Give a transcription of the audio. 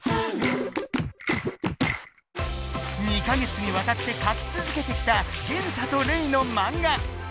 ２か月にわたってかき続けてきたゲンタとレイのマンガ。